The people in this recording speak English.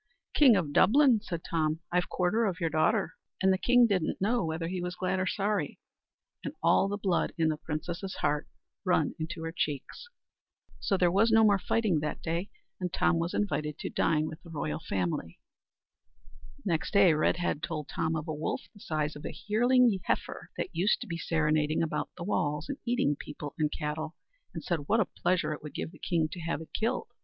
"King of Dublin," said Tom, "I've quarter of your daughter." And the king didn't know whether he was glad or sorry, and all the blood in the princess's heart run into her cheeks. So there was no more fighting that day, and Tom was invited to dine with the royal family. Next day, Redhead told Tom of a wolf, the size of a yearling heifer, that used to be serenading about the walls, and eating people and cattle; and said what a pleasure it would give the king to have it killed.